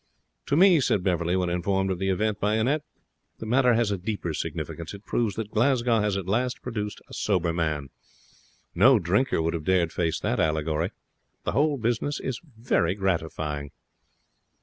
'To me,' said Beverley, when informed of the event by Annette, 'the matter has a deeper significance. It proves that Glasgow has at last produced a sober man. No drinker would have dared face that allegory. The whole business is very gratifying.'